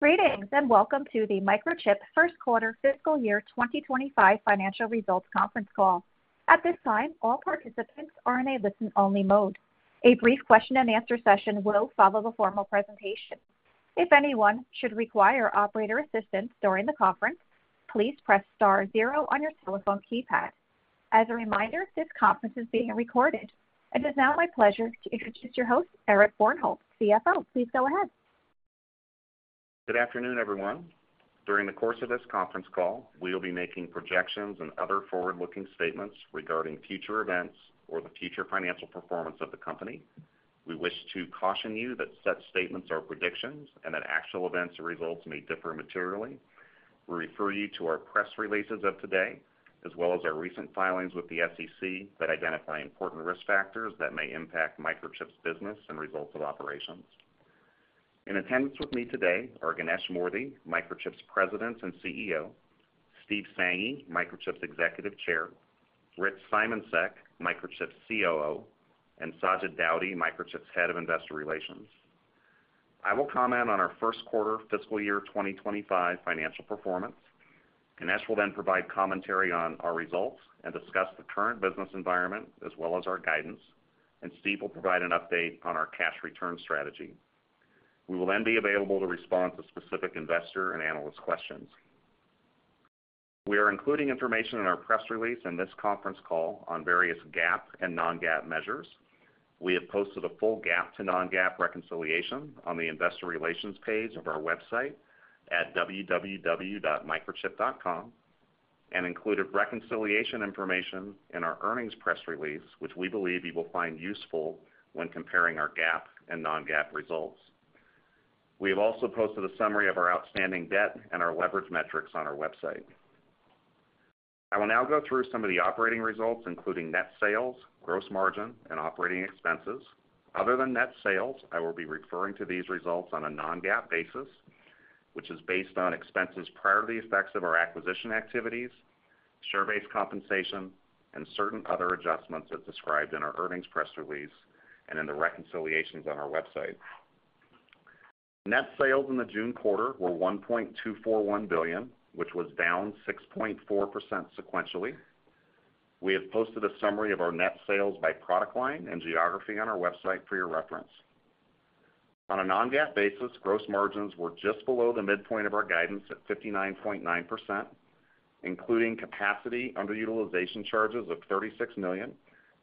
Greetings and welcome to the Microchip First Quarter Fiscal Year 2025 Financial Results Conference Call. At this time, all participants are in a listen-only mode. A brief question-and-answer session will follow the formal presentation. If anyone should require operator assistance during the conference, please press star zero on your telephone keypad. As a reminder, this conference is being recorded. It is now my pleasure to introduce your host, Eric Bjornholt, CFO. Please go ahead. Good afternoon, everyone. During the course of this conference call, we will be making projections and other forward-looking statements regarding future events or the future financial performance of the company. We wish to caution you that such statements are predictions and that actual events or results may differ materially. We refer you to our press releases of today, as well as our recent filings with the SEC that identify important risk factors that may impact Microchip's business and results of operations. In attendance with me today are Ganesh Moorthy, Microchip's President and CEO; Steve Sanghi, Microchip's Executive Chair; Rich Simoncic, Microchip's COO; and Sajid Daudi, Microchip's Head of Investor Relations. I will comment on our first quarter fiscal year 2025 financial performance. Ganesh will then provide commentary on our results and discuss the current business environment as well as our guidance, and Steve will provide an update on our cash return strategy. We will then be available to respond to specific investor and analyst questions. We are including information in our press release and this conference call on various GAAP and non-GAAP measures. We have posted a full GAAP to non-GAAP reconciliation on the Investor Relations page of our website at www.microchip.com and included reconciliation information in our earnings press release, which we believe you will find useful when comparing our GAAP and non-GAAP results. We have also posted a summary of our outstanding debt and our leverage metrics on our website. I will now go through some of the operating results, including net sales, gross margin, and operating expenses. Other than net sales, I will be referring to these results on a Non-GAAP basis, which is based on expenses prior to the effects of our acquisition activities, share-based compensation, and certain other adjustments as described in our earnings press release and in the reconciliations on our website. Net sales in the June quarter were $1.241 billion, which was down 6.4% sequentially. We have posted a summary of our net sales by product line and geography on our website for your reference. On a Non-GAAP basis, gross margins were just below the midpoint of our guidance at 59.9%, including capacity underutilization charges of $36 million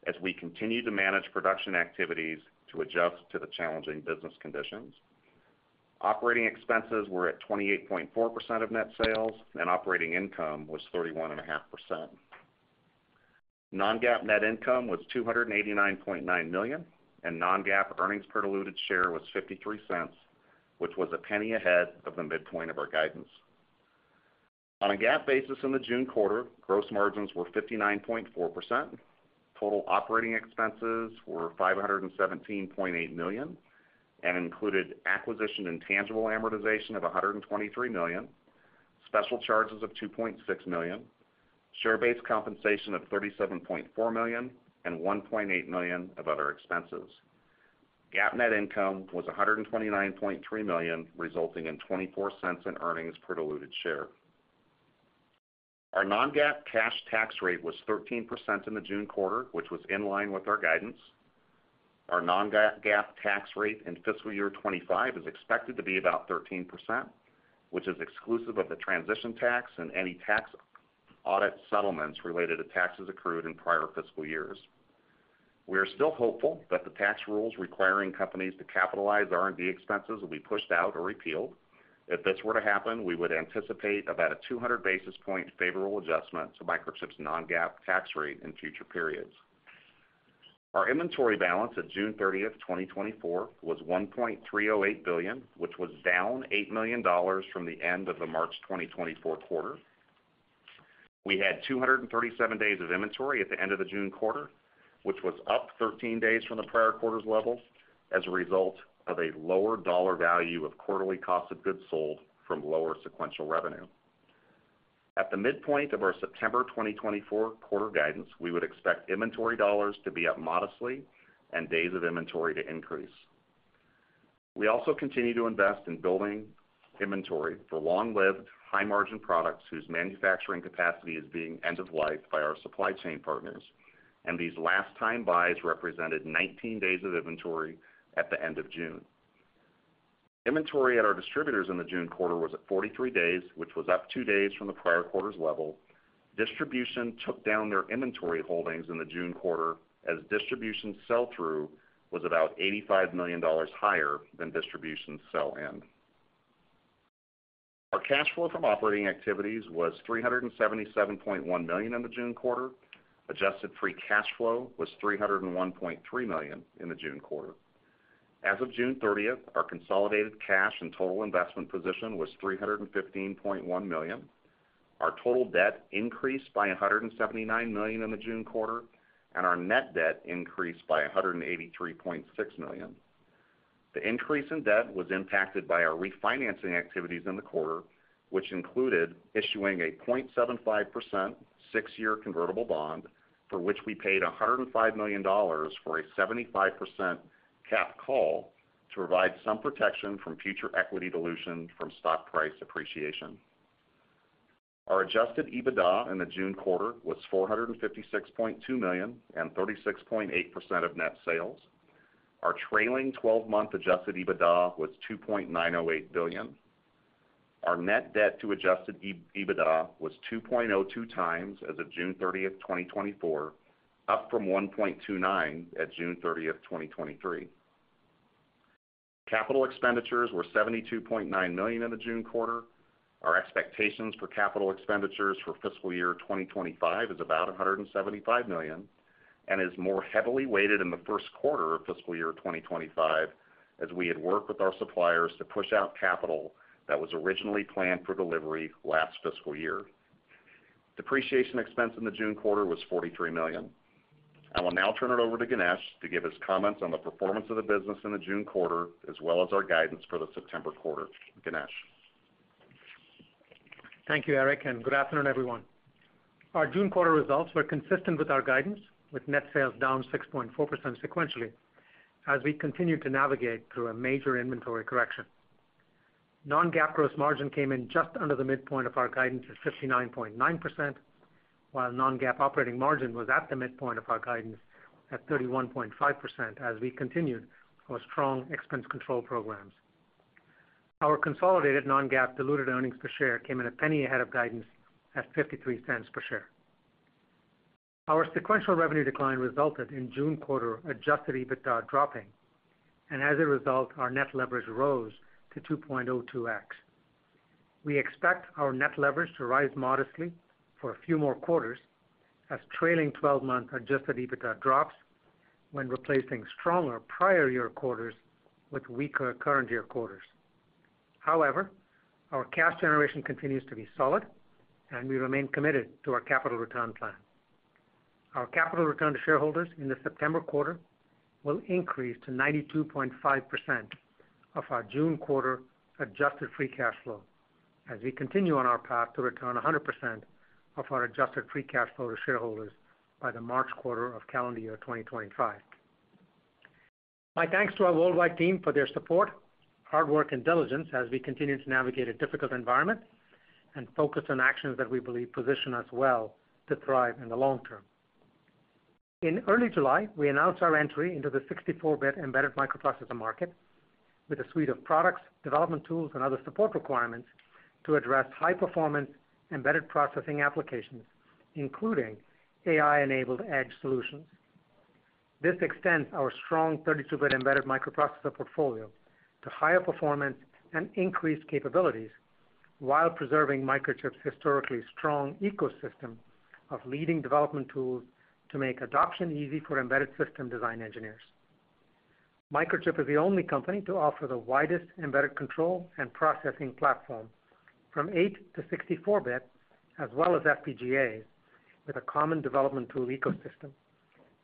as we continue to manage production activities to adjust to the challenging business conditions. Operating expenses were at 28.4% of net sales, and operating income was 31.5%. Non-GAAP net income was $289.9 million, and non-GAAP earnings per diluted share was $0.53, which was a penny ahead of the midpoint of our guidance. On a GAAP basis in the June quarter, gross margins were 59.4%. Total operating expenses were $517.8 million and included acquisition intangible amortization of $123 million, special charges of $2.6 million, share-based compensation of $37.4 million, and $1.8 million of other expenses. GAAP net income was $129.3 million, resulting in $0.24 in earnings per diluted share. Our non-GAAP cash tax rate was 13% in the June quarter, which was in line with our guidance. Our non-GAAP tax rate in fiscal year 2025 is expected to be about 13%, which is exclusive of the transition tax and any tax audit settlements related to taxes accrued in prior fiscal years. We are still hopeful that the tax rules requiring companies to capitalize R&D expenses will be pushed out or repealed. If this were to happen, we would anticipate about a 200 basis point favorable adjustment to Microchip's non-GAAP tax rate in future periods. Our inventory balance at June 30, 2024, was $1.308 billion, which was down $8 million from the end of the March 2024 quarter. We had 237 days of inventory at the end of the June quarter, which was up 13 days from the prior quarter's levels as a result of a lower dollar value of quarterly cost of goods sold from lower sequential revenue. At the midpoint of our September 2024 quarter guidance, we would expect inventory dollars to be up modestly and days of inventory to increase. We also continue to invest in building inventory for long-lived, high-margin products whose manufacturing capacity is being end-of-lifed by our supply chain partners, and these last-time buys represented 19 days of inventory at the end of June. Inventory at our distributors in the June quarter was at 43 days, which was up two days from the prior quarter's level. Distribution took down their inventory holdings in the June quarter as distribution sell-through was about $85 million higher than distribution sell-in. Our cash flow from operating activities was $377.1 million in the June quarter. Adjusted free cash flow was $301.3 million in the June quarter. As of June 30, our consolidated cash and total investment position was $315.1 million. Our total debt increased by $179 million in the June quarter, and our net debt increased by $183.6 million. The increase in debt was impacted by our refinancing activities in the quarter, which included issuing a 0.75% six-year convertible bond for which we paid $105 million for a 75% capped call to provide some protection from future equity dilution from stock price appreciation. Our adjusted EBITDA in the June quarter was $456.2 million and 36.8% of net sales. Our trailing 12-month adjusted EBITDA was $2.908 billion. Our net debt to adjusted EBITDA was 2.02 times as of June 30, 2024, up from 1.29 at June 30, 2023. Capital expenditures were $72.9 million in the June quarter. Our expectations for capital expenditures for fiscal year 2025 is about $175 million and is more heavily weighted in the first quarter of fiscal year 2025 as we had worked with our suppliers to push out capital that was originally planned for delivery last fiscal year. Depreciation expense in the June quarter was $43 million. I will now turn it over to Ganesh to give his comments on the performance of the business in the June quarter as well as our guidance for the September quarter. Ganesh. Thank you, Eric, and good afternoon, everyone. Our June quarter results were consistent with our guidance, with net sales down 6.4% sequentially as we continued to navigate through a major inventory correction. Non-GAAP gross margin came in just under the midpoint of our guidance at 59.9%, while non-GAAP operating margin was at the midpoint of our guidance at 31.5% as we continued our strong expense control programs. Our consolidated non-GAAP diluted earnings per share came in a penny ahead of guidance at $0.53 per share. Our sequential revenue decline resulted in June quarter adjusted EBITDA dropping, and as a result, our net leverage rose to 2.02x. We expect our net leverage to rise modestly for a few more quarters as trailing 12-month adjusted EBITDA drops when replacing stronger prior year quarters with weaker current year quarters. However, our cash generation continues to be solid, and we remain committed to our capital return plan. Our capital return to shareholders in the September quarter will increase to 92.5% of our June quarter adjusted free cash flow as we continue on our path to return 100% of our adjusted free cash flow to shareholders by the March quarter of calendar year 2025. My thanks to our worldwide team for their support, hard work, and diligence as we continue to navigate a difficult environment and focus on actions that we believe position us well to thrive in the long term. In early July, we announced our entry into the 64-bit embedded microprocessor market with a suite of products, development tools, and other support requirements to address high-performance embedded processing applications, including AI-enabled edge solutions. This extends our strong 32-bit embedded microprocessor portfolio to higher performance and increased capabilities while preserving Microchip's historically strong ecosystem of leading development tools to make adoption easy for embedded system design engineers. Microchip is the only company to offer the widest embedded control and processing platform from 8 - 64-bit, as well as FPGAs, with a common development tool ecosystem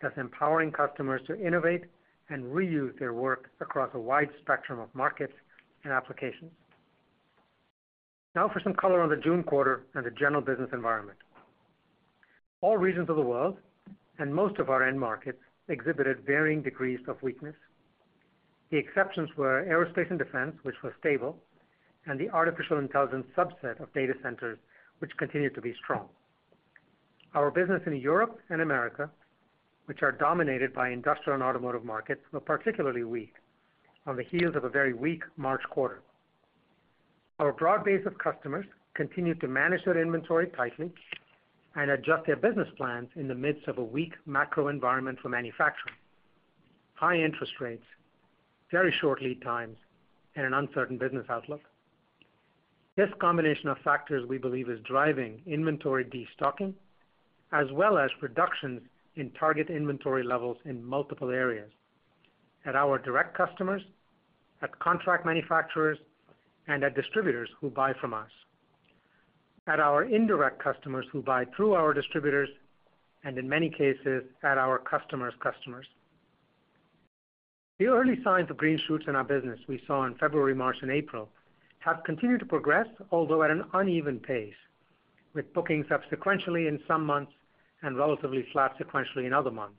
that's empowering customers to innovate and reuse their work across a wide spectrum of markets and applications. Now for some color on the June quarter and the general business environment. All regions of the world and most of our end markets exhibited varying degrees of weakness. The exceptions were aerospace and defense, which was stable, and the artificial intelligence subset of data centers, which continued to be strong. Our business in Europe and Americas, which are dominated by industrial and automotive markets, were particularly weak on the heels of a very weak March quarter. Our broad base of customers continued to manage their inventory tightly and adjust their business plans in the midst of a weak macro environment for manufacturing, high interest rates, very short lead times, and an uncertain business outlook. This combination of factors we believe is driving inventory destocking as well as reductions in target inventory levels in multiple areas at our direct customers, at contract manufacturers, and at distributors who buy from us, at our indirect customers who buy through our distributors, and in many cases, at our customer's customers. The early signs of green shoots in our business we saw in February, March, and April have continued to progress, although at an uneven pace, with bookings up sequentially in some months and relatively flat sequentially in other months.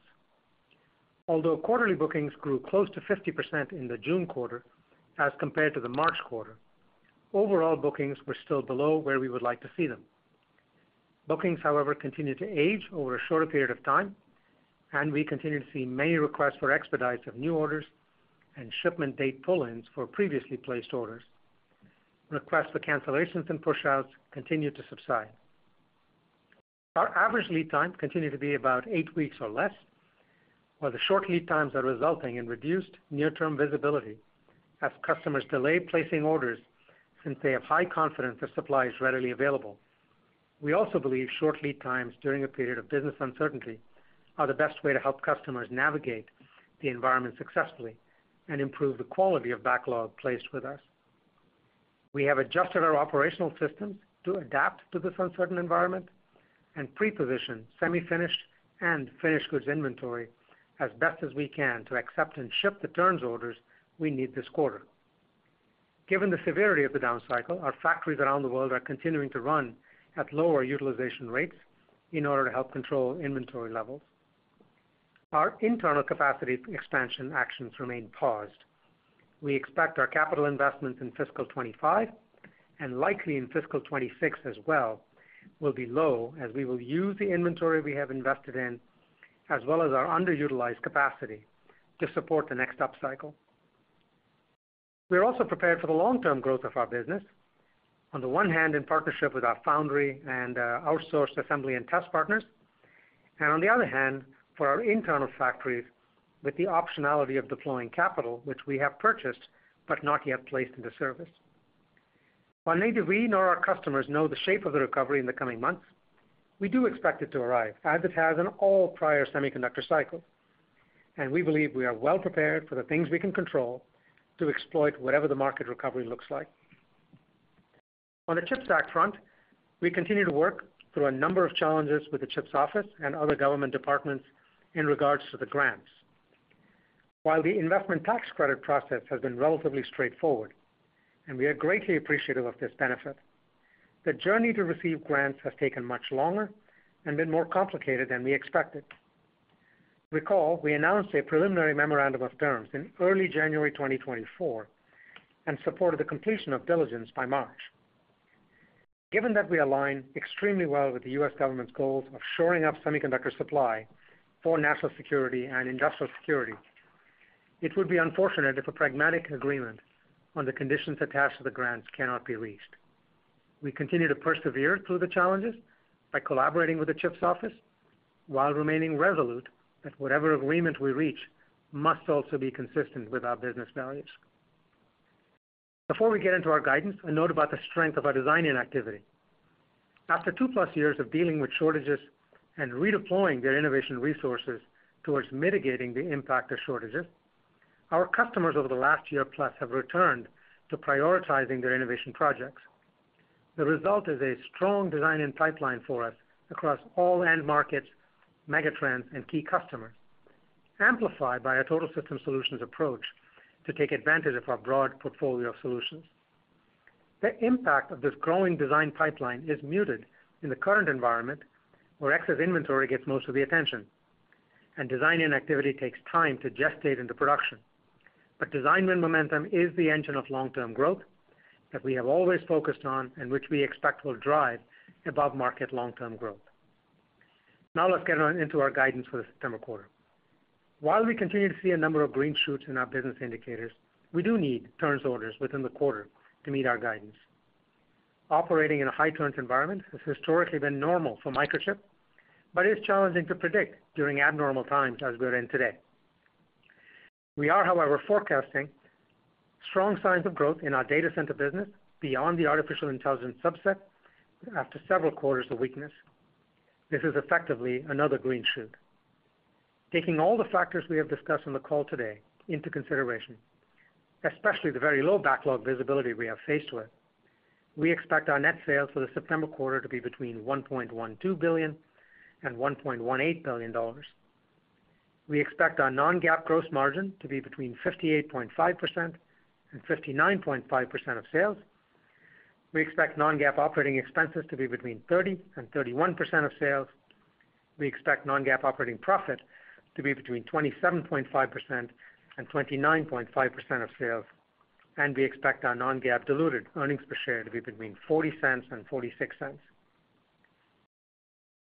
Although quarterly bookings grew close to 50% in the June quarter as compared to the March quarter, overall bookings were still below where we would like to see them. Bookings, however, continued to age over a shorter period of time, and we continue to see many requests for expedites of new orders and shipment date pull-ins for previously placed orders. Requests for cancellations and push-outs continue to subside. Our average lead time continued to be about eight weeks or less, while the short lead times are resulting in reduced near-term visibility as customers delay placing orders since they have high confidence that supply is readily available. We also believe short lead times during a period of business uncertainty are the best way to help customers navigate the environment successfully and improve the quality of backlog placed with us. We have adjusted our operational systems to adapt to this uncertain environment and pre-position semi-finished and finished goods inventory as best as we can to accept and ship the turns orders we need this quarter. Given the severity of the down cycle, our factories around the world are continuing to run at lower utilization rates in order to help control inventory levels. Our internal capacity expansion actions remain paused. We expect our capital investments in fiscal 2025 and likely in fiscal 2026 as well will be low as we will use the inventory we have invested in as well as our underutilized capacity to support the next up cycle. We are also prepared for the long-term growth of our business, on the one hand in partnership with our foundry and outsourced assembly and test partners, and on the other hand for our internal factories with the optionality of deploying capital, which we have purchased but not yet placed into service. While neither we nor our customers know the shape of the recovery in the coming months, we do expect it to arrive as it has in all prior semiconductor cycles, and we believe we are well prepared for the things we can control to exploit whatever the market recovery looks like. On the CHIPS Act front, we continue to work through a number of challenges with the CHIPS Office and other government departments in regards to the grants. While the investment tax credit process has been relatively straightforward, and we are greatly appreciative of this benefit, the journey to receive grants has taken much longer and been more complicated than we expected. Recall, we announced a preliminary memorandum of terms in early January 2024 and supported the completion of diligence by March. Given that we align extremely well with the U.S. government's goals of shoring up semiconductor supply for national security and industrial security, it would be unfortunate if a pragmatic agreement on the conditions attached to the grants cannot be reached. We continue to persevere through the challenges by collaborating with the CHIPS office while remaining resolute that whatever agreement we reach must also be consistent with our business values. Before we get into our guidance, a note about the strength of our design activity. After 2+ years of dealing with shortages and redeploying their innovation resources towards mitigating the impact of shortages, our customers over the last year plus have returned to prioritizing their innovation projects. The result is a strong design and pipeline for us across all end markets, megatrends, and key customers, amplified by a total system solutions approach to take advantage of our broad portfolio of solutions. The impact of this growing design pipeline is muted in the current environment where excess inventory gets most of the attention, and design-in activity takes time to gestate into production. But design-in momentum is the engine of long-term growth that we have always focused on and which we expect will drive above-market long-term growth. Now let's get into our guidance for the September quarter. While we continue to see a number of green shoots in our business indicators, we do need turns orders within the quarter to meet our guidance. Operating in a high-turns environment has historically been normal for Microchip, but it is challenging to predict during abnormal times as we are in today. We are, however, forecasting strong signs of growth in our data center business beyond the artificial intelligence subset after several quarters of weakness. This is effectively another green shoot. Taking all the factors we have discussed on the call today into consideration, especially the very low backlog visibility we have faced with, we expect our net sales for the September quarter to be between $1.12 billion and $1.18 billion. We expect our non-GAAP gross margin to be between 58.5% and 59.5% of sales. We expect non-GAAP operating expenses to be between 30% and 31% of sales. We expect Non-GAAP operating profit to be between 27.5% and 29.5% of sales, and we expect our Non-GAAP diluted earnings per share to be between $0.40 and $0.46.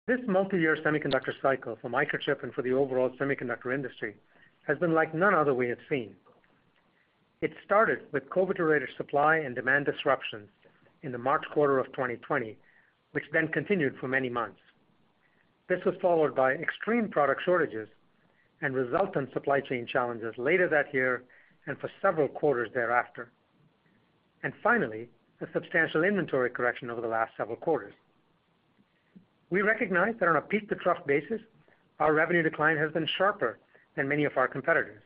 This multi-year semiconductor cycle for Microchip and for the overall semiconductor industry has been like none other we have seen. It started with COVID-related supply and demand disruptions in the March quarter of 2020, which then continued for many months. This was followed by extreme product shortages and resultant supply chain challenges later that year and for several quarters thereafter, and finally, a substantial inventory correction over the last several quarters. We recognize that on a peak-to-trough basis, our revenue decline has been sharper than many of our competitors.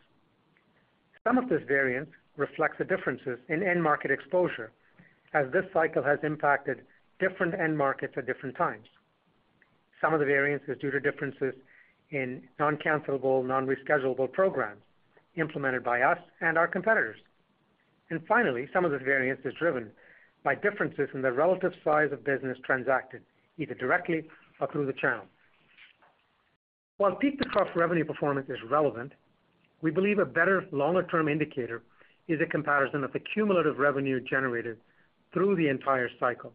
Some of this variance reflects the differences in end market exposure as this cycle has impacted different end markets at different times. Some of the variance is due to differences in non-cancelable, non-reschedulable programs implemented by us and our competitors. Finally, some of this variance is driven by differences in the relative size of business transacted, either directly or through the channel. While peak-to-trough revenue performance is relevant, we believe a better longer-term indicator is a comparison of the cumulative revenue generated through the entire cycle.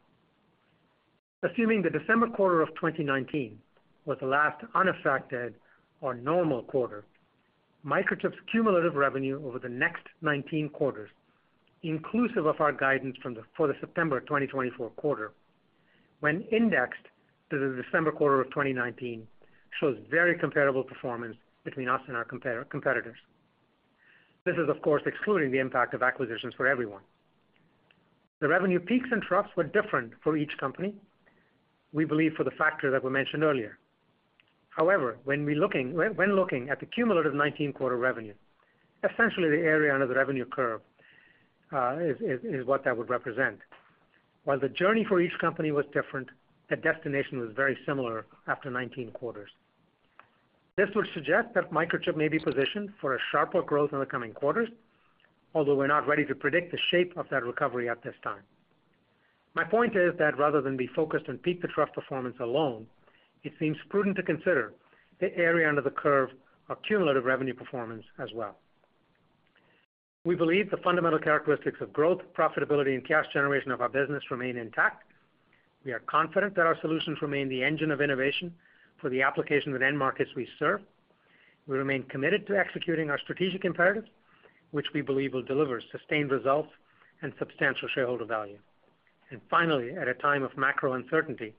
Assuming the December quarter of 2019 was the last unaffected or normal quarter, Microchip's cumulative revenue over the next 19 quarters, inclusive of our guidance for the September 2024 quarter, when indexed to the December quarter of 2019, shows very comparable performance between us and our competitors. This is, of course, excluding the impact of acquisitions for everyone. The revenue peaks and troughs were different for each company, we believe, for the factors that were mentioned earlier. However, when looking at the cumulative 19-quarter revenue, essentially the area under the revenue curve is what that would represent. While the journey for each company was different, the destination was very similar after 19 quarters. This would suggest that Microchip may be positioned for a sharper growth in the coming quarters, although we're not ready to predict the shape of that recovery at this time. My point is that rather than be focused on peak-to-trough performance alone, it seems prudent to consider the area under the curve of cumulative revenue performance as well. We believe the fundamental characteristics of growth, profitability, and cash generation of our business remain intact. We are confident that our solutions remain the engine of innovation for the application of the end markets we serve. We remain committed to executing our strategic imperatives, which we believe will deliver sustained results and substantial shareholder value. Finally, at a time of macro uncertainty,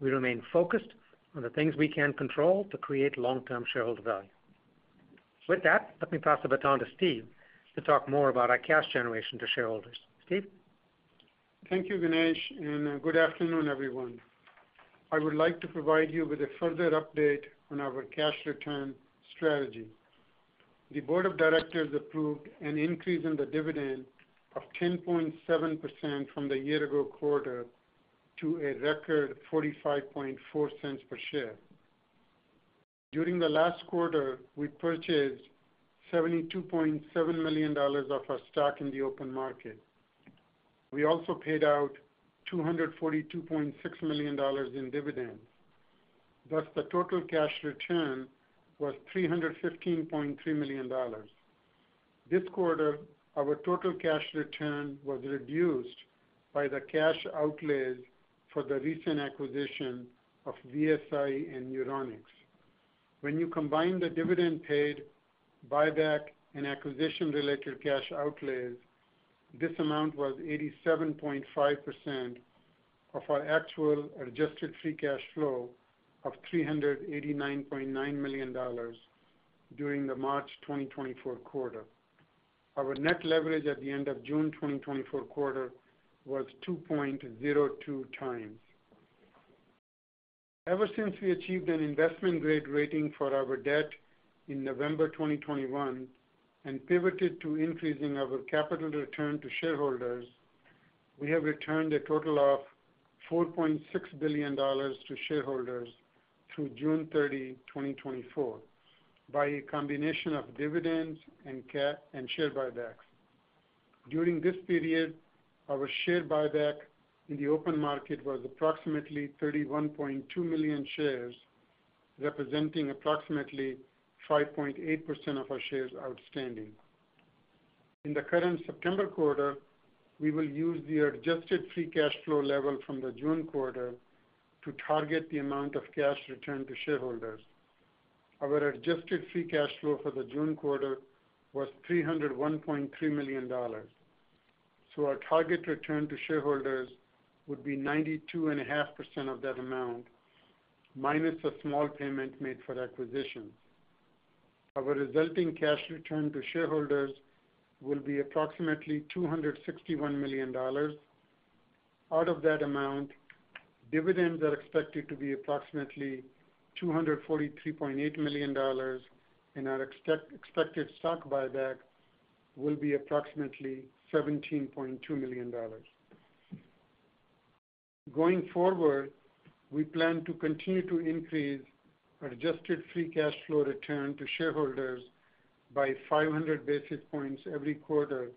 we remain focused on the things we can control to create long-term shareholder value. With that, let me pass the baton to Steve to talk more about our cash generation to shareholders. Steve? Thank you, Ganesh, and good afternoon, everyone. I would like to provide you with a further update on our cash return strategy. The board of directors approved an increase in the dividend of 10.7% from the year-ago quarter to a record $0.45 per share. During the last quarter, we purchased $72.7 million of our stock in the open market. We also paid out $242.6 million in dividends. Thus, the total cash return was $315.3 million. This quarter, our total cash return was reduced by the cash outlays for the recent acquisition of VSI and Neuronix. When you combine the dividend paid, buyback, and acquisition-related cash outlays, this amount was 87.5% of our actual adjusted free cash flow of $389.9 million during the March 2024 quarter. Our net leverage at the end of June 2024 quarter was 2.02x. Ever since we achieved an investment-grade rating for our debt in November 2021 and pivoted to increasing our capital return to shareholders, we have returned a total of $4.6 billion to shareholders through June 30, 2024, by a combination of dividends and share buybacks. During this period, our share buyback in the open market was approximately 31.2 million shares, representing approximately 5.8% of our shares outstanding. In the current September quarter, we will use the adjusted free cash flow level from the June quarter to target the amount of cash returned to shareholders. Our adjusted free cash flow for the June quarter was $301.3 million, so our target return to shareholders would be 92.5% of that amount minus a small payment made for acquisitions. Our resulting cash return to shareholders will be approximately $261 million. Out of that amount, dividends are expected to be approximately $243.8 million, and our expected stock buyback will be approximately $17.2 million. Going forward, we plan to continue to increase our adjusted free cash flow return to shareholders by 500 basis points every quarter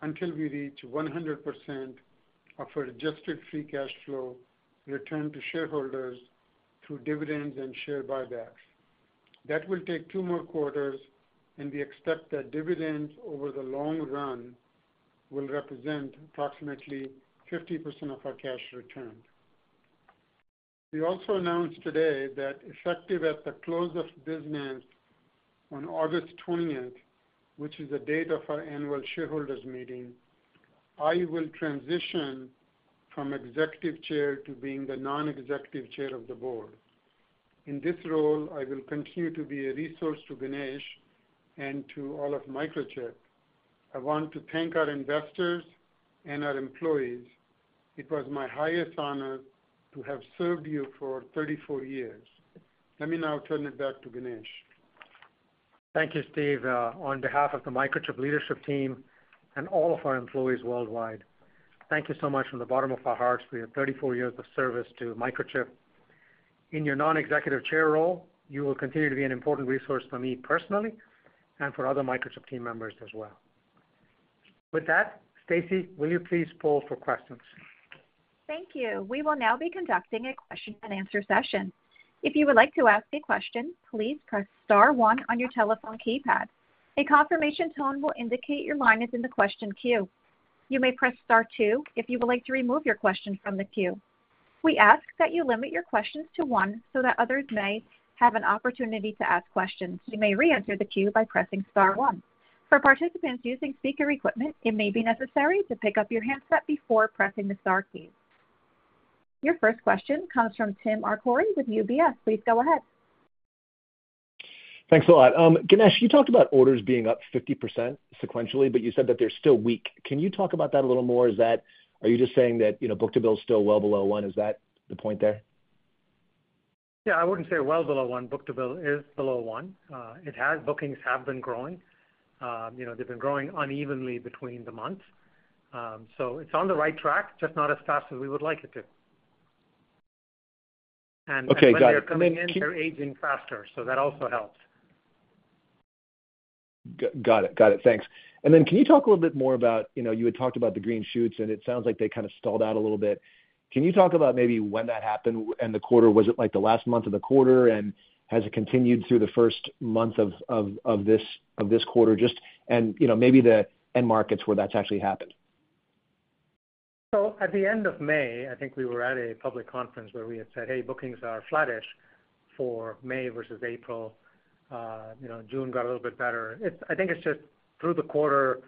until we reach 100% of our adjusted free cash flow returned to shareholders through dividends and share buybacks. That will take two more quarters, and we expect that dividends over the long run will represent approximately 50% of our cash return. We also announced today that effective at the close of business on August 20th, which is the date of our annual shareholders meeting, I will transition from executive chair to being the non-executive chair of the board. In this role, I will continue to be a resource to Ganesh and to all of Microchip. I want to thank our investors and our employees. It was my highest honor to have served you for 34 years. Let me now turn it back to Ganesh. Thank you, Steve, on behalf of the Microchip leadership team and all of our employees worldwide. Thank you so much from the bottom of our hearts for your 34 years of service to Microchip. In your non-executive chair role, you will continue to be an important resource for me personally and for other Microchip team members as well. With that, Stacey, will you please poll for questions? Thank you. We will now be conducting a question-and-answer session. If you would like to ask a question, please press star one on your telephone keypad. A confirmation tone will indicate your line is in the question queue. You may press star two if you would like to remove your question from the queue. We ask that you limit your questions to one so that others may have an opportunity to ask questions. You may re-enter the queue by pressing star one. For participants using speaker equipment, it may be necessary to pick up your handset before pressing the star keys. Your first question comes from Tim Arcuri with UBS. Please go ahead. Thanks a lot. Ganesh, you talked about orders being up 50% sequentially, but you said that they're still weak. Can you talk about that a little more? Are you just saying that book to bill is still well below one? Is that the point there? Yeah, I wouldn't say well below one. Book to bill is below one. Bookings have been growing. They've been growing unevenly between the months. So it's on the right track, just not as fast as we would like it to. And by their coming in, they're aging faster, so that also helps. Got it. Thanks. And then can you talk a little bit more about you had talked about the green shoots, and it sounds like they kind of stalled out a little bit. Can you talk about maybe when that happened and the quarter? Was it the last month of the quarter, and has it continued through the first month of this quarter? And maybe the end markets where that's actually happened. So at the end of May, I think we were at a public conference where we had said, "Hey, bookings are flattish for May versus April." June got a little bit better. I think it's just through the quarter,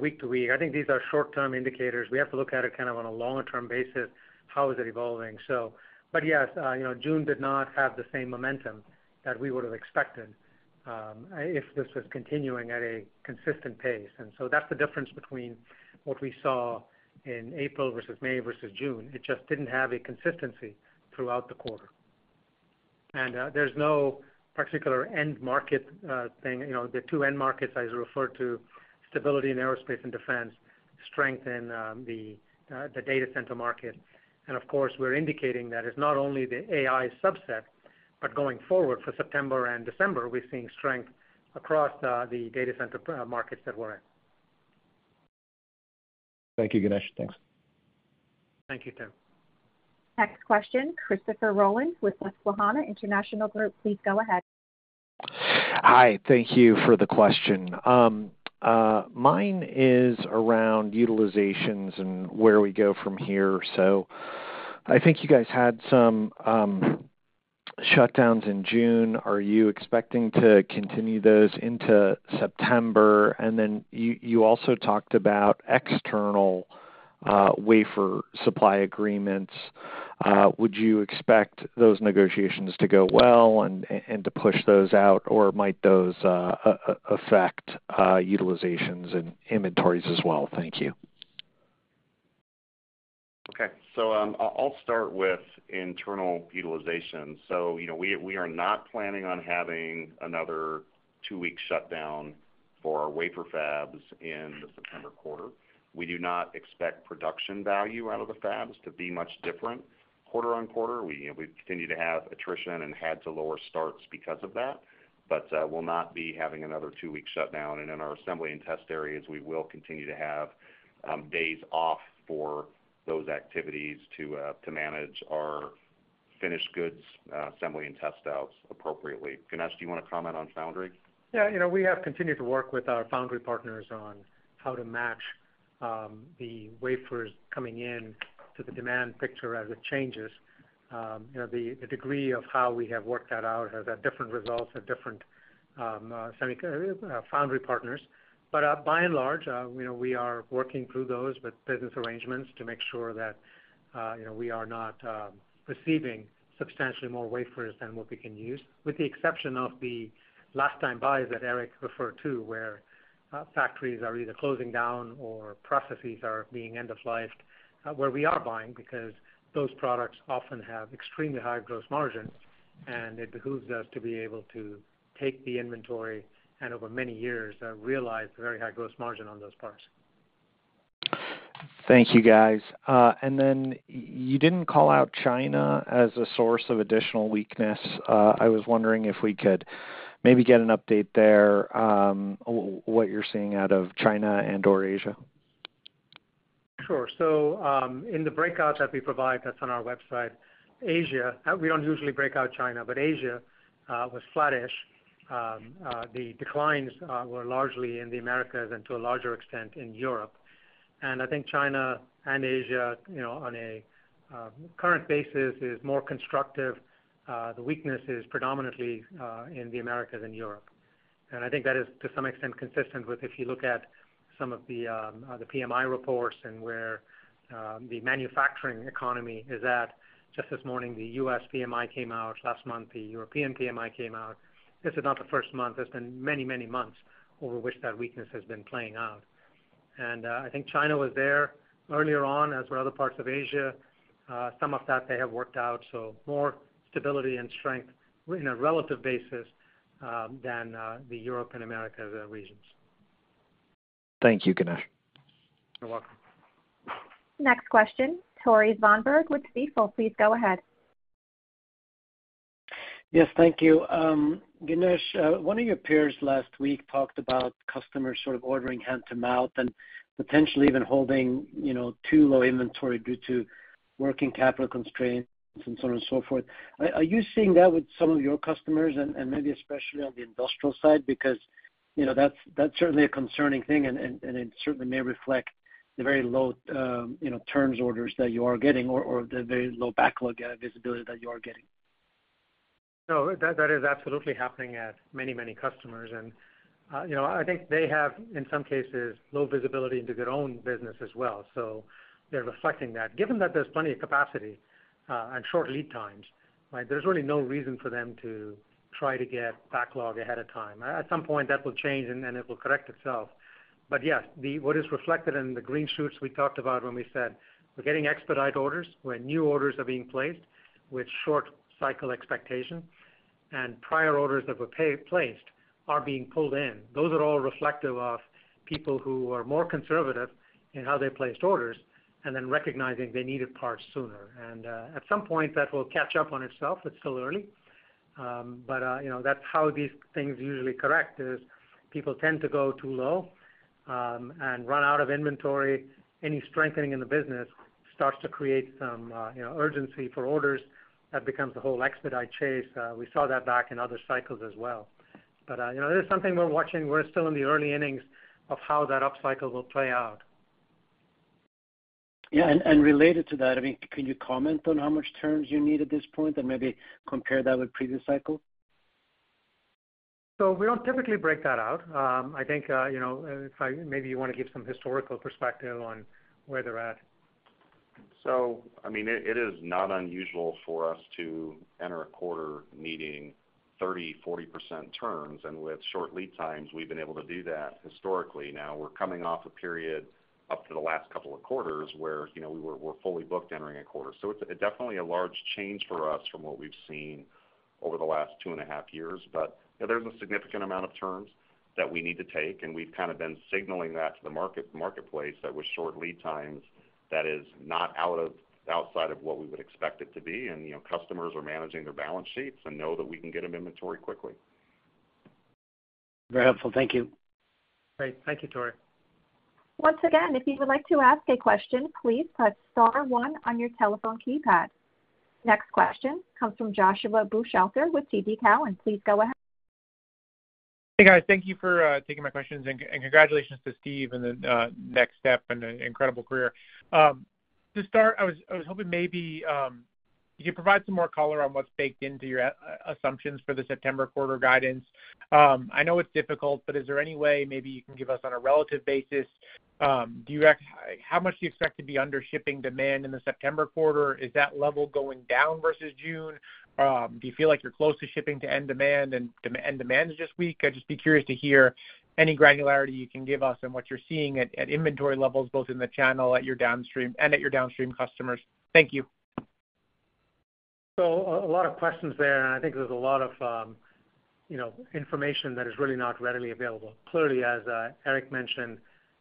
week to week. I think these are short-term indicators. We have to look at it kind of on a longer-term basis. How is it evolving? But yes, June did not have the same momentum that we would have expected if this was continuing at a consistent pace. And so that's the difference between what we saw in April versus May versus June. It just didn't have a consistency throughout the quarter. And there's no particular end market thing. The two end markets I referred to, stability in aerospace and defense, strength in the data center market. Of course, we're indicating that it's not only the AI subset, but going forward for September and December, we're seeing strength across the data center markets that we're in. Thank you, Ganesh. Thank you, Tim. Next question, Christopher Rolland with Susquehanna International Group. Please go ahead. Hi. Thank you for the question. Mine is around utilizations and where we go from here. So I think you guys had some shutdowns in June. Are you expecting to continue those into September? And then you also talked about external wafer supply agreements. Would you expect those negotiations to go well and to push those out, or might those affect utilizations and inventories as well? Thank you. Okay. So I'll start with internal utilization. So we are not planning on having another two-week shutdown for our wafer fabs in the September quarter. We do not expect production value out of the fabs to be much different quarter-on-quarter. We continue to have attrition and had to lower starts because of that, but we'll not be having another two-week shutdown. And in our assembly and test areas, we will continue to have days off for those activities to manage our finished goods assembly and test outs appropriately. Ganesh, do you want to comment on foundry? Yeah. We have continued to work with our foundry partners on how to match the wafers coming in to the demand picture as it changes. The degree of how we have worked that out has had different results at different foundry partners. But by and large, we are working through those with business arrangements to make sure that we are not receiving substantially more wafers than what we can use, with the exception of the last-time buys that Eric referred to, where factories are either closing down or processes are being end-of-lifed, where we are buying because those products often have extremely high gross margins, and it behooves us to be able to take the inventory and over many years realize the very high gross margin on those parts. Thank you, guys. And then you didn't call out China as a source of additional weakness. I was wondering if we could maybe get an update there on what you're seeing out of China and/or Asia? Sure. So in the breakout that we provide that's on our website, Asia, we don't usually break out China, but Asia was flattish. The declines were largely in the Americas and to a larger extent in Europe. And I think China and Asia, on a current basis, is more constructive. The weakness is predominantly in the Americas and Europe. And I think that is to some extent consistent with if you look at some of the PMI reports and where the manufacturing economy is at. Just this morning, the U.S. PMI came out. Last month, the European PMI came out. This is not the first month. There's been many, many months over which that weakness has been playing out. And I think China was there earlier on, as were other parts of Asia. Some of that they have worked out. So more stability and strength in a relative basis than the Europe and America regions. Thank you, Ganesh. You're welcome. Next question, Tore Svanberg with Stifel. Please go ahead. Yes, thank you. Ganesh, one of your peers last week talked about customers sort of ordering hand-to-mouth and potentially even holding too low inventory due to working capital constraints and so on and so forth. Are you seeing that with some of your customers, and maybe especially on the industrial side? Because that's certainly a concerning thing, and it certainly may reflect the very low turns orders that you are getting or the very low backlog visibility that you are getting. No, that is absolutely happening at many, many customers. And I think they have, in some cases, low visibility into their own business as well. So they're reflecting that. Given that there's plenty of capacity and short lead times, there's really no reason for them to try to get backlog ahead of time. At some point, that will change, and it will correct itself. But yes, what is reflected in the green shoots we talked about when we said we're getting expedite orders where new orders are being placed with short-cycle expectation, and prior orders that were placed are being pulled in. Those are all reflective of people who are more conservative in how they placed orders and then recognizing they needed parts sooner. And at some point, that will catch up on itself. It's still early. But that's how these things usually correct, is people tend to go too low and run out of inventory. Any strengthening in the business starts to create some urgency for orders. That becomes the whole expedite chase. We saw that back in other cycles as well. But it is something we're watching. We're still in the early innings of how that upcycle will play out. Yeah. Related to that, I mean, can you comment on how much terms you need at this point and maybe compare that with previous cycle? We don't typically break that out. I think maybe you want to give some historical perspective on where they're at. I mean, it is not unusual for us to enter a quarter meeting 30% - 40% turns. With short lead times, we've been able to do that historically. Now, we're coming off a period up to the last couple of quarters where we were fully booked entering a quarter. It's definitely a large change for us from what we've seen over the last 2.5 years. But there's a significant amount of turns that we need to take, and we've kind of been signaling that to the marketplace that with short lead times, that is not outside of what we would expect it to be. And customers are managing their balance sheets and know that we can get them inventory quickly. Very helpful. Thank you. Great. Thank you, Tore. Once again, if you would like to ask a question, please press star one on your telephone keypad. Next question comes from Joshua Buchalter with TD Cowen. Please go ahead. Hey, guys. Thank you for taking my questions, and congratulations to Steve and the next step and incredible career. To start, I was hoping maybe you could provide some more color on what's baked into your assumptions for the September quarter guidance. I know it's difficult, but is there any way maybe you can give us on a relative basis? How much do you expect to be under shipping demand in the September quarter? Is that level going down versus June? Do you feel like you're close to shipping to end demand? And end demand is just weak. I'd just be curious to hear any granularity you can give us on what you're seeing at inventory levels, both in the channel and at your downstream customers. Thank you. So a lot of questions there, and I think there's a lot of information that is really not readily available. Clearly, as Eric mentioned,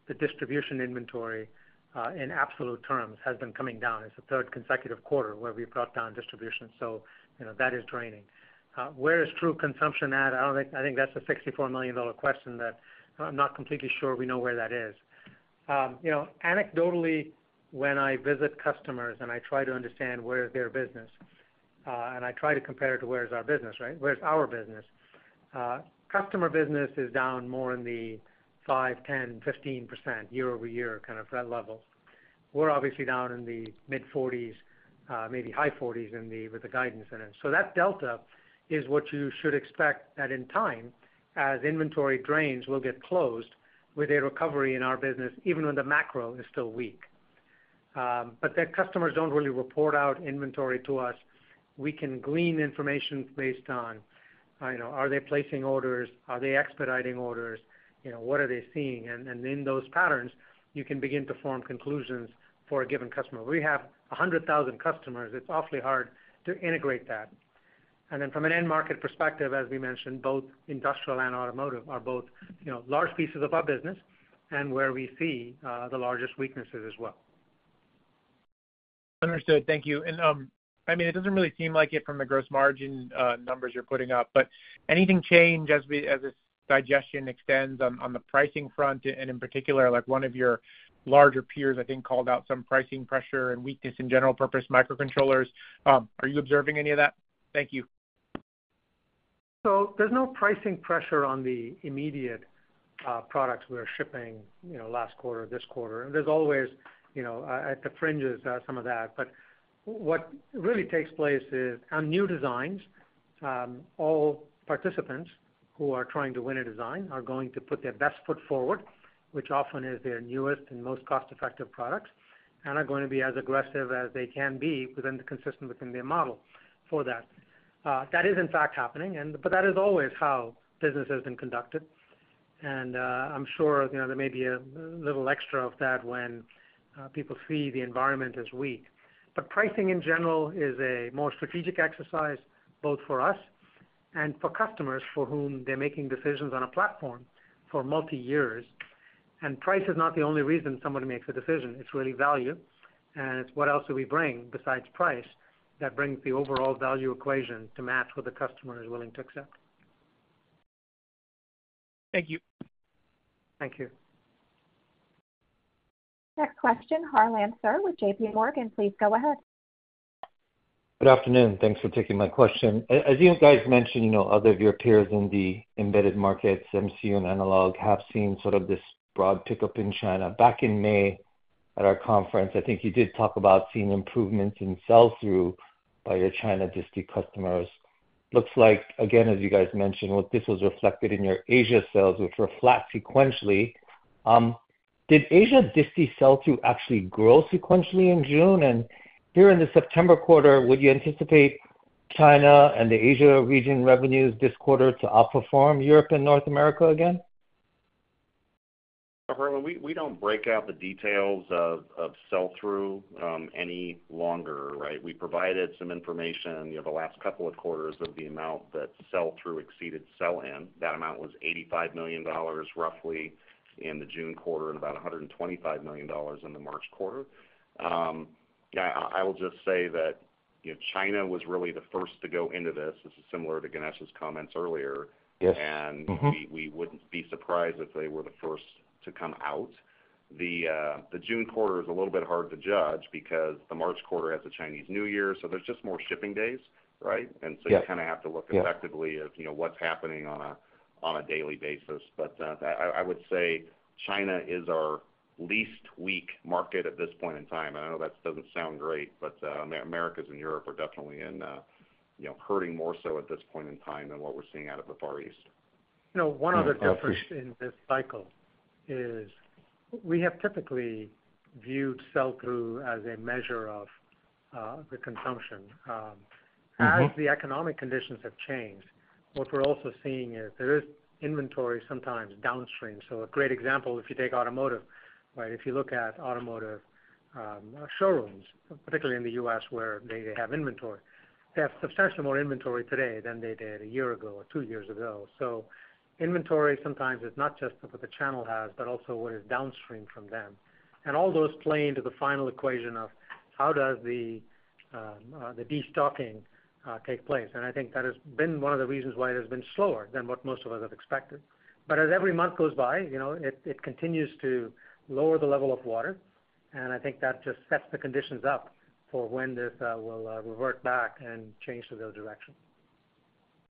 the distribution inventory in absolute terms has been coming down. It's the third consecutive quarter where we've brought down distribution. So that is draining. Where is true consumption at? I think that's a $64 million question that I'm not completely sure we know where that is. Anecdotally, when I visit customers and I try to understand where is their business, and I try to compare it to where is our business, right? Where's our business? Customer business is down more in the 5%, 10%, 15% year-over-year kind of levels. We're obviously down in the mid-40s, maybe high 40s with the guidance in it. So that delta is what you should expect that in time, as inventory drains, we'll get closer with a recovery in our business, even when the macro is still weak. But that customers don't really report out inventory to us. We can glean information based on are they placing orders? Are they expediting orders? What are they seeing? And in those patterns, you can begin to form conclusions for a given customer. We have 100,000 customers. It's awfully hard to integrate that. And then from an end market perspective, as we mentioned, both industrial and automotive are both large pieces of our business and where we see the largest weaknesses as well. Understood. Thank you. And I mean, it doesn't really seem like it from the gross margin numbers you're putting up, but anything change as this digestion extends on the pricing front? And in particular, one of your larger peers, I think, called out some pricing pressure and weakness in general-purpose microcontrollers. Are you observing any of that? Thank you. So there's no pricing pressure on the immediate products we're shipping last quarter, this quarter. And there's always at the fringes some of that. But what really takes place is on new designs, all participants who are trying to win a design are going to put their best foot forward, which often is their newest and most cost-effective products, and are going to be as aggressive as they can be within the consistent within their model for that. That is, in fact, happening. But that is always how business has been conducted. And I'm sure there may be a little extra of that when people see the environment is weak. But pricing in general is a more strategic exercise, both for us and for customers for whom they're making decisions on a platform for multi-years. And price is not the only reason somebody makes a decision. It's really value. And it's what else do we bring besides price that brings the overall value equation to match what the customer is willing to accept. Thank you. Thank you. Next question, Harlan Sur with JPMorgan. Please go ahead. Good afternoon. Thanks for taking my question. As you guys mentioned, others of your peers in the embedded markets, MCU and Analog, have seen sort of this broad pickup in China. Back in May at our conference, I think you did talk about seeing improvements in sales through your China-based customers. Looks like, again, as you guys mentioned, this was reflected in your Asia sales, which were flat sequentially. Did Asia-based sales actually grow sequentially in June? And here in the September quarter, would you anticipate China and the Asia region revenues this quarter to outperform Europe and North America again? We don't break out the details of sell-through any longer, right? We provided some information the last couple of quarters of the amount that sell-through exceeded sell-in. That amount was $85 million, roughly, in the June quarter and about $125 million in the March quarter. I will just say that China was really the first to go into this. This is similar to Ganesh's comments earlier. We wouldn't be surprised if they were the first to come out. The June quarter is a little bit hard to judge because the March quarter has a Chinese New Year. There's just more shipping days, right? So you kind of have to look effectively at what's happening on a daily basis. But I would say China is our least weak market at this point in time. I know that doesn't sound great, but Americas and Europe are definitely hurting more so at this point in time than what we're seeing out of the Far East. One other question in this cycle is we have typically viewed sell-through as a measure of the consumption. As the economic conditions have changed, what we're also seeing is there is inventory sometimes downstream. So a great example, if you take automotive, right? If you look at automotive showrooms, particularly in the U.S. where they have inventory, they have substantially more inventory today than they did a year ago or two years ago. So inventory sometimes is not just what the channel has, but also what is downstream from them. And all those play into the final equation of how does the destocking take place. And I think that has been one of the reasons why it has been slower than what most of us have expected. But as every month goes by, it continues to lower the level of water. I think that just sets the conditions up for when this will revert back and change to the direction.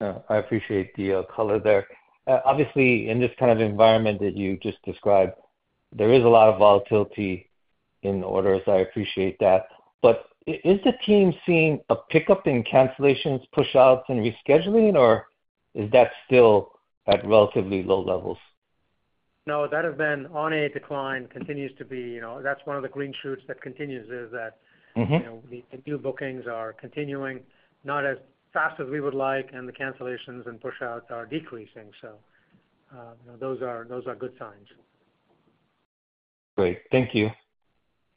I appreciate the color there. Obviously, in this kind of environment that you just described, there is a lot of volatility in orders. I appreciate that. Is the team seeing a pickup in cancellations, push-outs, and rescheduling, or is that still at relatively low levels? No, that has been on a decline. Continues to be. That's one of the green shoots that continues, is that the new bookings are continuing not as fast as we would like, and the cancellations and push-outs are decreasing. So those are good signs. Great. Thank you.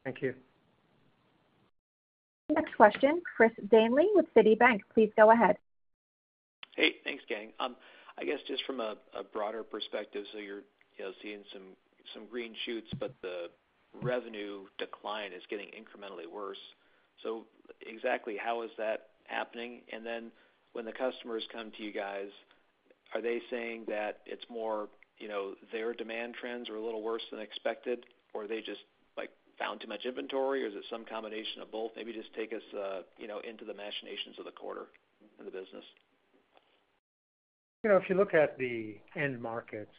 Thank you. Next question, Chris Danely with Citi. Please go ahead. Hey, thanks, Ganesh. I guess just from a broader perspective, so you're seeing some green shoots, but the revenue decline is getting incrementally worse. So exactly how is that happening? And then when the customers come to you guys, are they saying that it's more their demand trends are a little worse than expected, or they just found too much inventory, or is it some combination of both? Maybe just take us into the machinations of the quarter and the business. If you look at the end markets,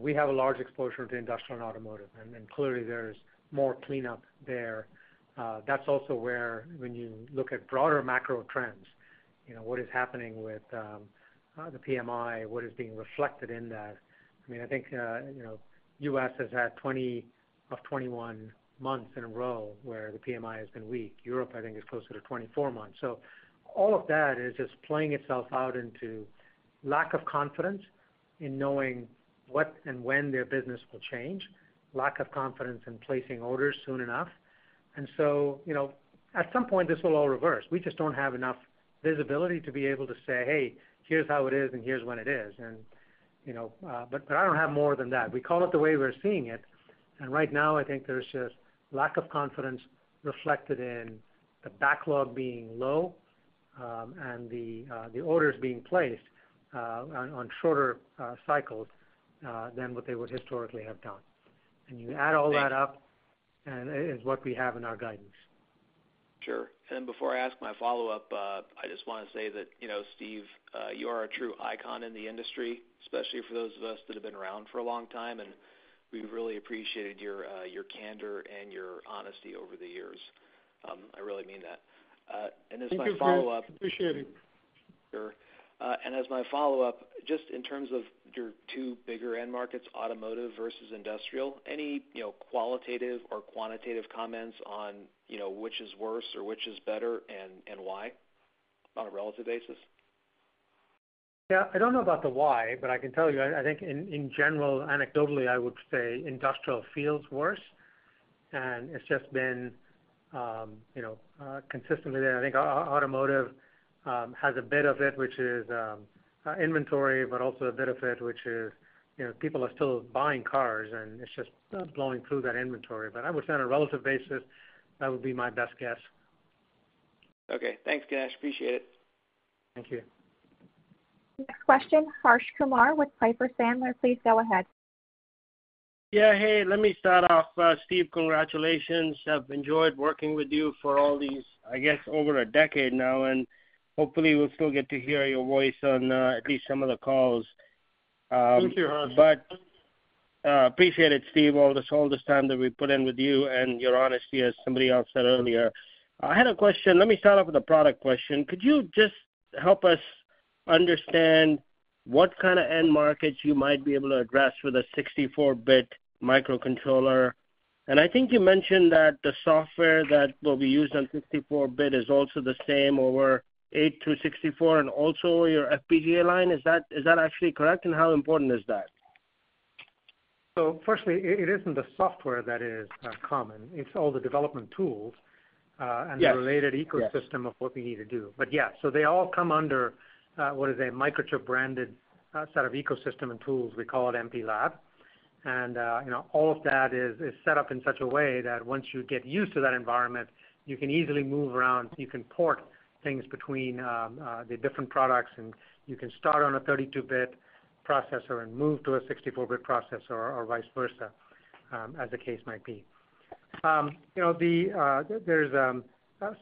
we have a large exposure to industrial and automotive. And clearly, there's more cleanup there. That's also where when you look at broader macro trends, what is happening with the PMI, what is being reflected in that? I mean, I think U.S. has had 20 of 21 months in a row where the PMI has been weak. Europe, I think, is closer to 24 months. So all of that is just playing itself out into lack of confidence in knowing what and when their business will change, lack of confidence in placing orders soon enough. And so at some point, this will all reverse. We just don't have enough visibility to be able to say, "Hey, here's how it is, and here's when it is." But I don't have more than that. We call it the way we're seeing it. And right now, I think there's just lack of confidence reflected in the backlog being low and the orders being placed on shorter cycles than what they would historically have done. And you add all that up, and it is what we have in our guidance. Sure. And before I ask my follow-up, I just want to say that, Steve, you are a true icon in the industry, especially for those of us that have been around for a long time. And we've really appreciated your candor and your honesty over the years. I really mean that. And as my follow-up. Thank you very much. Appreciate it. Sure. And as my follow-up, just in terms of your two bigger end markets, automotive versus industrial, any qualitative or quantitative comments on which is worse or which is better and why on a relative basis? Yeah. I don't know about the why, but I can tell you, I think in general, anecdotally, I would say industrial feels worse. And it's just been consistently there. I think automotive has a bit of it, which is inventory, but also a bit of it, which is people are still buying cars, and it's just blowing through that inventory. But I would say on a relative basis, that would be my best guess. Okay. Thanks, Ganesh. Appreciate it. Thank you. Next question, Harsh Kumar with Piper Sandler. Please go ahead. Yeah. Hey, let me start off. Steve, congratulations. I've enjoyed working with you for all these, I guess, over a decade now. And hopefully, we'll still get to hear your voice on at least some of the calls. Thank you, Harsh. But appreciate it, Steve, all this time that we put in with you and your honesty, as somebody else said earlier. I had a question. Let me start off with a product question. Could you just help us understand what kind of end markets you might be able to address with a 64-bit microcontroller? And I think you mentioned that the software that will be used on 64-bit is also the same over 8 through 64 and also your FPGA line. Is that actually correct? And how important is that? So firstly, it isn't the software that is common. It's all the development tools and the related ecosystem of what we need to do. But yeah, so they all come under, what is it, a Microchip-branded set of ecosystem and tools. We call it MPLAB. And all of that is set up in such a way that once you get used to that environment, you can easily move around. You can port things between the different products, and you can start on a 32-bit processor and move to a 64-bit processor or vice versa, as the case might be. There's a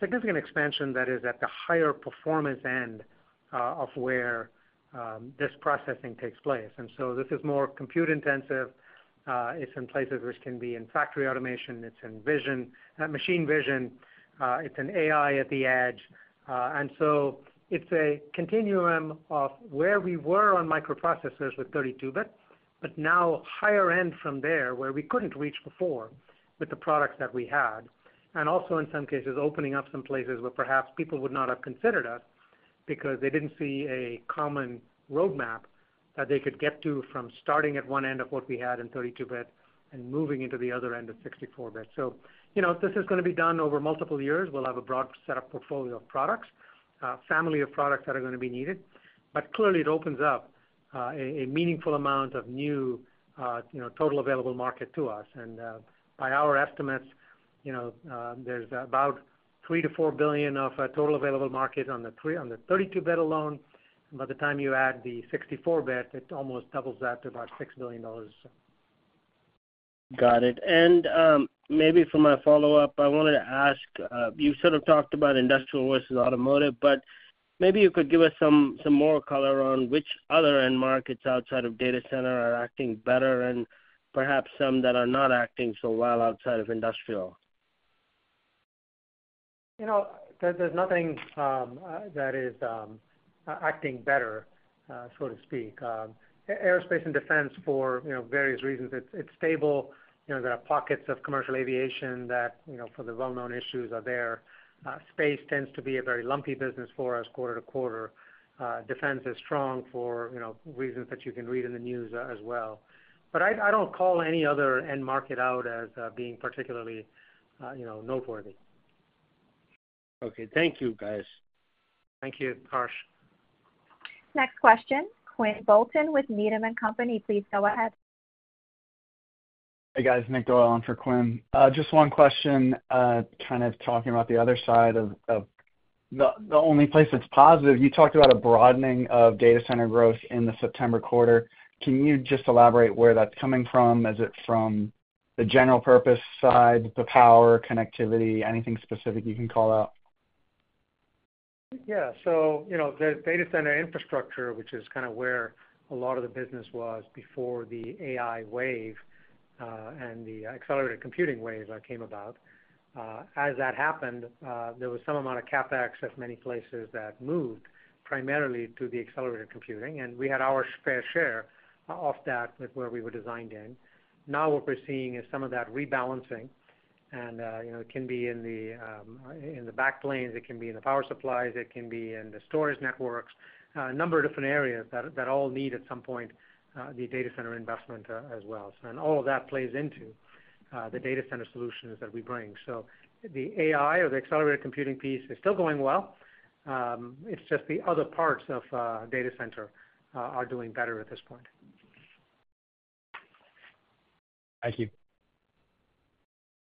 significant expansion that is at the higher performance end of where this processing takes place. And so this is more compute-intensive. It's in places which can be in factory automation. It's in machine vision. It's in AI at the edge. And so it's a continuum of where we were on microprocessors with 32-bit, but now higher end from there where we couldn't reach before with the products that we had. And also, in some cases, opening up some places where perhaps people would not have considered us because they didn't see a common roadmap that they could get to from starting at one end of what we had in 32-bit and moving into the other end of 64-bit. So this is going to be done over multiple years. We'll have a broad set of portfolio of products, a family of products that are going to be needed. But clearly, it opens up a meaningful amount of new total available market to us. And by our estimates, there's about $3 billion-$4 billion of total available market on the 32-bit alone. By the time you add the 64-bit, it almost doubles that to about $6 billion. Got it. And maybe for my follow-up, I wanted to ask, you sort of talked about industrial versus automotive, but maybe you could give us some more color on which other end markets outside of data center are acting better and perhaps some that are not acting so well outside of industrial. There's nothing that is acting better, so to speak. Aerospace and defense, for various reasons, it's stable. There are pockets of commercial aviation that, for the well-known issues, are there. Space tends to be a very lumpy business for us quarter to quarter. Defense is strong for reasons that you can read in the news as well. But I don't call any other end market out as being particularly noteworthy. Okay. Thank you, guys. Thank you, Harsh. Next question, Quinn Bolton with Needham & Company. Please go ahead. Hey, guys. Nick Doyle on for Quinn. Just one question, kind of talking about the other side of the only place that's positive. You talked about a broadening of data center growth in the September quarter. Can you just elaborate where that's coming from? Is it from the general purpose side, the power, connectivity, anything specific you can call out? Yeah. So the data center infrastructure, which is kind of where a lot of the business was before the AI wave and the accelerated computing wave came about. As that happened, there was some amount of CapEx at many places that moved primarily to the accelerated computing. And we had our fair share of that with where we were designed in. Now what we're seeing is some of that rebalancing. And it can be in the backplanes. It can be in the power supplies. It can be in the storage networks. A number of different areas that all need, at some point, the data center investment as well. And all of that plays into the data center solutions that we bring. So the AI or the accelerated computing piece is still going well. It's just the other parts of data center are doing better at this point. Thank you.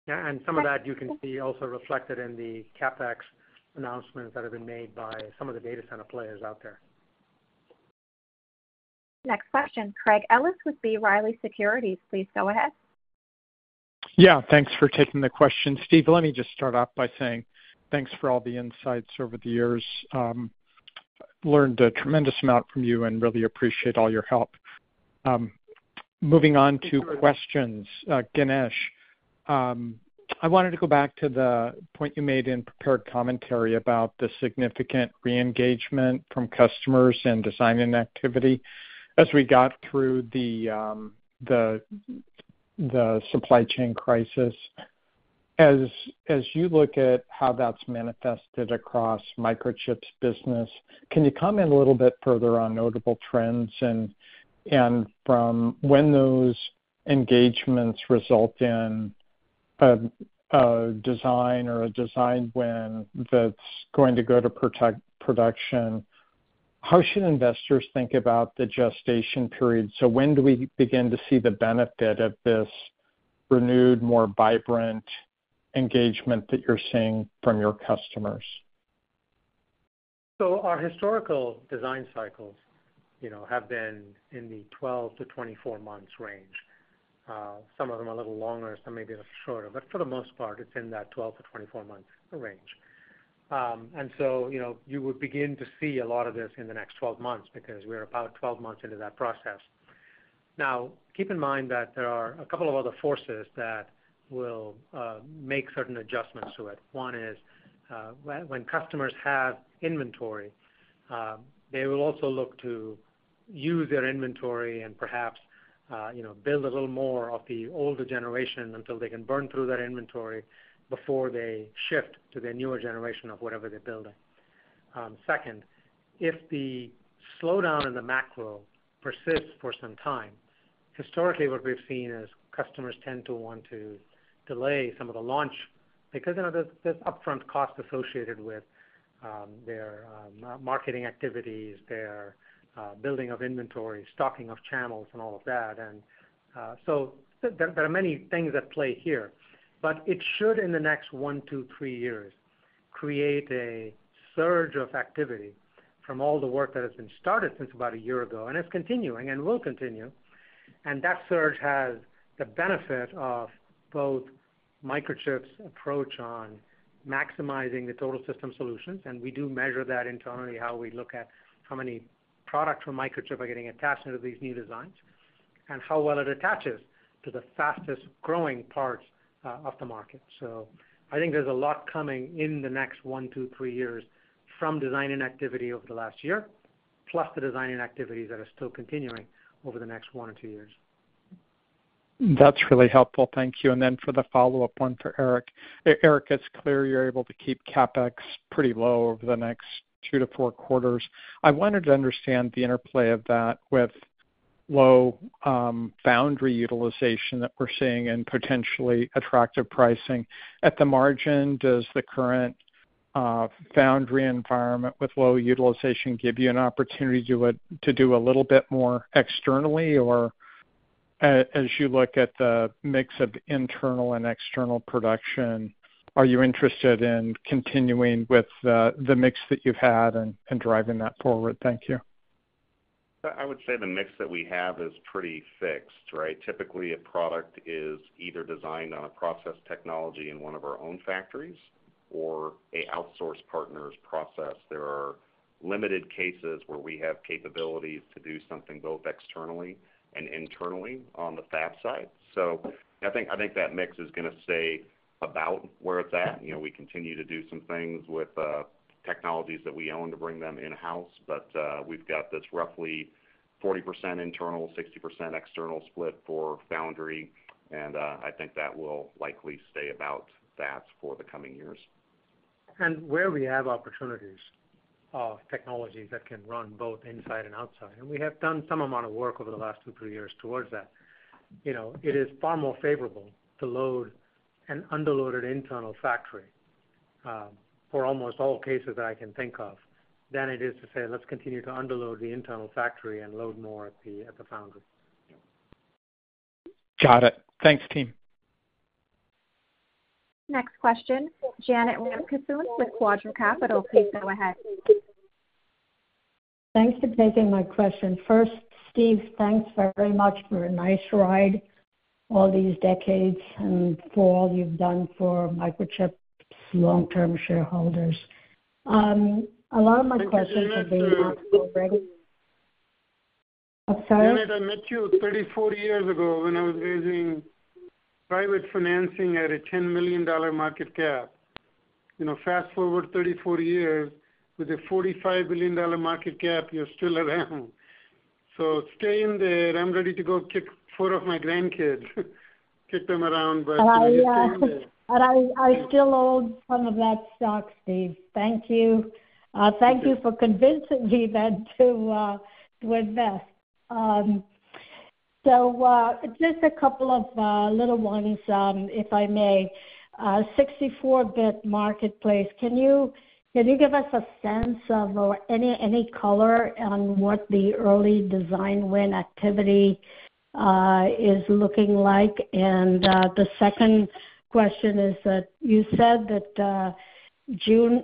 Yeah. Some of that you can see also reflected in the CapEx announcements that have been made by some of the data center players out there. Next question, Craig Ellis with B. Riley Securities. Please go ahead. Yeah. Thanks for taking the question, Steve. Let me just start off by saying thanks for all the insights over the years. Learned a tremendous amount from you and really appreciate all your help. Moving on to questions, Ganesh, I wanted to go back to the point you made in prepared commentary about the significant re-engagement from customers and design activity as we got through the supply chain crisis. As you look at how that's manifested across Microchip's business, can you comment a little bit further on notable trends and from when those engagements result in a design or a design win that's going to go to production, how should investors think about the gestation period? So when do we begin to see the benefit of this renewed, more vibrant engagement that you're seeing from your customers? So our historical design cycles have been in the 12-24 months range. Some of them are a little longer. Some may be a little shorter. But for the most part, it's in that 12-24 months range. And so you would begin to see a lot of this in the next 12 months because we're about 12 months into that process. Now, keep in mind that there are a couple of other forces that will make certain adjustments to it. One is when customers have inventory, they will also look to use their inventory and perhaps build a little more of the older generation until they can burn through that inventory before they shift to the newer generation of whatever they're building. Second, if the slowdown in the macro persists for some time, historically, what we've seen is customers tend to want to delay some of the launch because there's upfront costs associated with their marketing activities, their building of inventory, stocking of channels, and all of that. And so there are many things at play here. But it should, in the next 1, 2, 3 years, create a surge of activity from all the work that has been started since about a year ago. And it's continuing and will continue. And that surge has the benefit of both Microchip's approach on maximizing the total system solutions. And we do measure that internally, how we look at how many products from Microchip are getting attached into these new designs and how well it attaches to the fastest growing parts of the market. So I think there's a lot coming in the next 1, 2, 3 years from design-in activity over the last year, plus the design-in activities that are still continuing over the next 1 or 2 years. That's really helpful. Thank you. And then for the follow-up one for Eric, Eric, it's clear you're able to keep CapEx pretty low over the next 2-4 quarters. I wanted to understand the interplay of that with low foundry utilization that we're seeing and potentially attractive pricing. At the margin, does the current foundry environment with low utilization give you an opportunity to do a little bit more externally? Or as you look at the mix of internal and external production, are you interested in continuing with the mix that you've had and driving that forward? Thank you. I would say the mix that we have is pretty fixed, right? Typically, a product is either designed on a process technology in one of our own factories or an outsourced partner's process. There are limited cases where we have capabilities to do something both externally and internally on the fab side. So I think that mix is going to stay about where it's at. We continue to do some things with technologies that we own to bring them in-house. But we've got this roughly 40% internal, 60% external split for foundry. And I think that will likely stay about that for the coming years. And where we have opportunities of technologies that can run both inside and outside, and we have done some amount of work over the last 2-3 years towards that, it is far more favorable to load an underloaded internal factory for almost all cases that I can think of than it is to say, "Let's continue to underload the internal factory and load more at the foundry." Got it. Thanks, team. Next question, Janet Ramkissoon with Quadra Capital. Please go ahead. Thanks for taking my question. First, Steve, thanks very much for a nice ride all these decades and for all you've done for Microchip's long-term shareholders. A lot of my questions have been asked already. I'm sorry? Janet, I met you 34 years ago when I was raising private financing at a $10 million market cap. Fast forward 34 years. With a $45 billion market cap, you're still around. So stay in there. I'm ready to go kick four of my grandkids, kick them around by 2020. Oh, yeah. And I still hold some of that stock, Steve. Thank you. Thank you for convincing me then to invest. So just a couple of little ones, if I may. 64-bit marketplace. Can you give us a sense of any color on what the early design win activity is looking like? And the second question is that you said that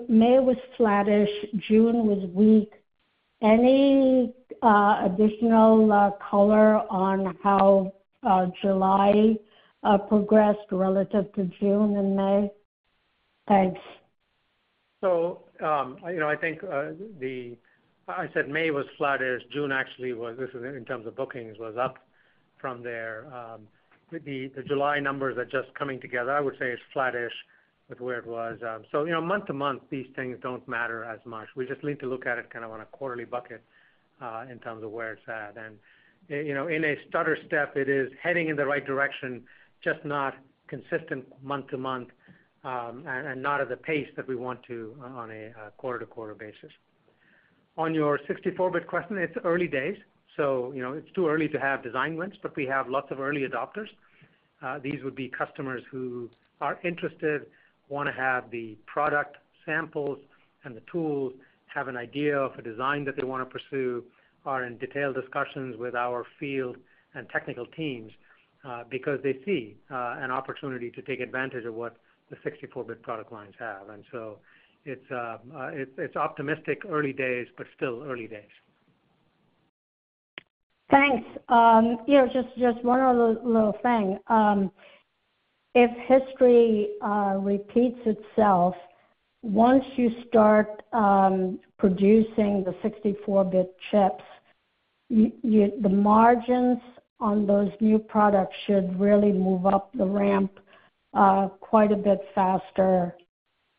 May was flattish, June was weak. Any additional color on how July progressed relative to June and May? Thanks. So I think I said May was flattish. June actually was, in terms of bookings, was up from there. The July numbers are just coming together. I would say it's flattish with where it was. So month-to-month, these things don't matter as much. We just need to look at it kind of on a quarterly bucket in terms of where it's at. In a stutter step, it is heading in the right direction, just not consistent month-to-month and not at the pace that we want to on a quarter-to-quarter basis. On your 64-bit question, it's early days. So it's too early to have design wins, but we have lots of early adopters. These would be customers who are interested, want to have the product samples and the tools, have an idea of a design that they want to pursue, are in detailed discussions with our field and technical teams because they see an opportunity to take advantage of what the 64-bit product lines have. And so it's optimistic early days, but still early days. Thanks. Just one other little thing. If history repeats itself, once you start producing the 64-bit chips, the margins on those new products should really move up the ramp quite a bit faster.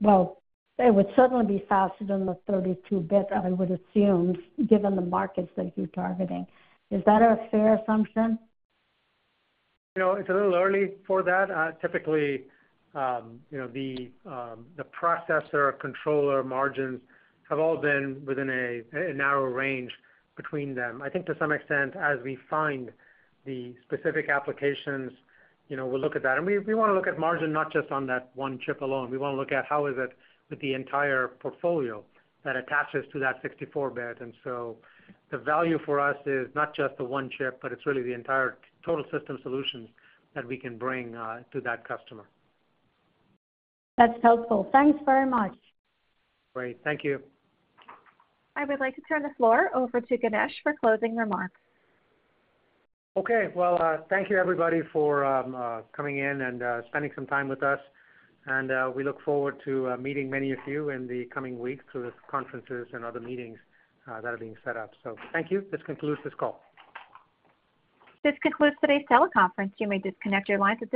Well, it would certainly be faster than the 32-bit, I would assume, given the markets that you're targeting. Is that a fair assumption? It's a little early for that. Typically, the processor controller margins have all been within a narrow range between them. I think to some extent, as we find the specific applications, we'll look at that. And we want to look at margin not just on that one chip alone. We want to look at how is it with the entire portfolio that attaches to that 64-bit. And so the value for us is not just the one chip, but it's really the entire total system solutions that we can bring to that customer. That's helpful. Thanks very much. Great. Thank you. I would like to turn the floor over to Ganesh for closing remarks. Okay. Well, thank you, everybody, for coming in and spending some time with us. And we look forward to meeting many of you in the coming weeks through the conferences and other meetings that are being set up. So thank you. This concludes this call. This concludes today's teleconference. You may disconnect your lines at.